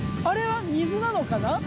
あれは水なのかな？